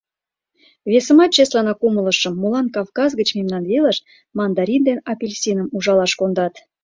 Весымат чеслынак умылышым: молан Кавказ гыч мемнан велыш мандарин ден апельсиным ужалаш кондат.